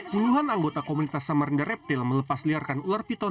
puluhan anggota komunitas samarinda reptil melepas liarkan ular piton